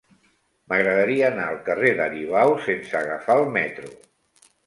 M'agradaria anar al carrer d'Aribau sense agafar el metro.